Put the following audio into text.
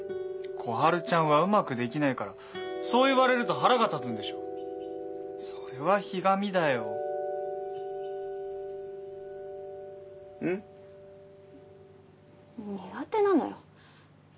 小春ちゃんはうまくできないからそう言われると腹が立つんでしょそれはひがみだようん？苦手なのよ